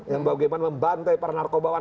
yang bagaimana membantai para narkobawan